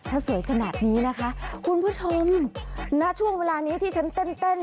ถ้าสวยขนาดนี้นะคะคุณผู้ชมณช่วงเวลานี้ที่ฉันเต้น